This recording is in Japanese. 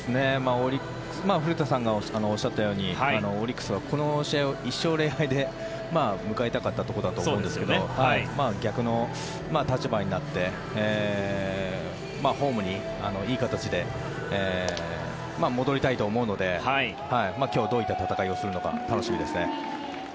古田さんがおっしゃったようにオリックスはこの試合を１勝０敗で迎えたかったところだと思いますが逆の立場になってホームにいい形で戻りたいと思うので今日、どういった戦いをするのか楽しみですね。